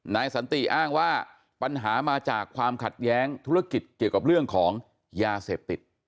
นายสันติอ้างว่าปัญหามาจากความขัดแย้งธุรกิจเกี่ยวกับเรื่องของยาเสพติด